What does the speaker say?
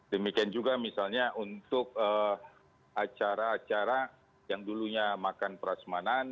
demikian juga misalnya untuk acara acara yang dulunya makan perasmanan